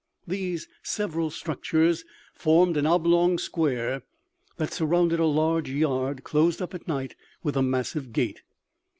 These several structures formed an oblong square that surrounded a large yard, closed up at night with a massive gate.